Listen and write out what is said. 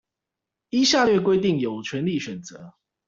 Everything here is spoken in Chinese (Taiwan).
依下列規定有權利選擇